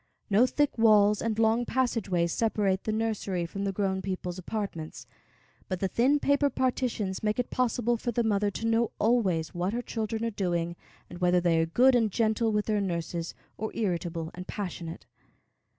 No thick walls and long passageways separate the nursery from the grown people's apartments, but the thin paper partitions make it possible for the mother to know always what her children are doing, and whether they are good and gentle with their nurses, or irritable and passionate.